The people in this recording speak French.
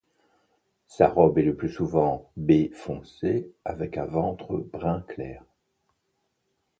Sa robe est le plus souvent bai foncé avec un ventre brun clair.